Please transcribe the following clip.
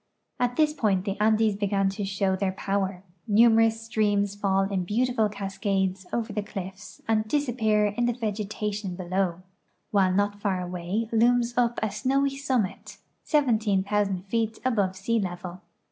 At this point the Andes begin to show their power; numerous streams fall in beautiful cascades over the cliff's and disappear in the vegetation below, while not far away looms up a snowy summit, 17,000 feet above sea level.